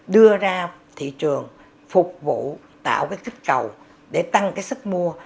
đưa ra thị trường phục vụ tạo cái kích cầu để tăng cái sức mua